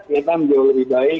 vietnam jauh lebih baik